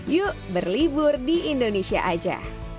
yuk berlibur di indonesia aja